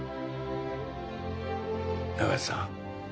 永瀬さん